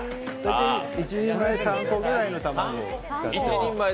１人前３個ぐらいの卵を。